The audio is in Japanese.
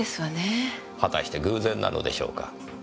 果たして偶然なのでしょうか？